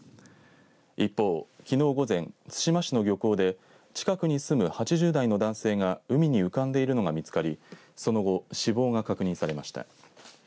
一方、きのう午前対馬市の漁港で近くに住む８０代の男性が海に浮かんでいるのが見つかりその後、死亡が確認されました。